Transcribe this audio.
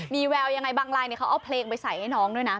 มีแววยังไงบางลายเขาเอาเพลงไปใส่ให้น้องด้วยนะ